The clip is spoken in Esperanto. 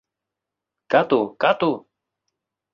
Kato! Kato!